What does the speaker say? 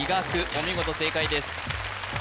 お見事正解です